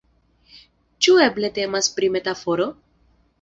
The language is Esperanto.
Ĉu eble temas pri metaforo?